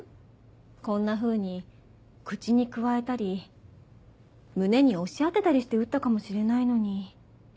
こんなふうに口にくわえたり胸に押し当てたりして撃ったかもしれないのに。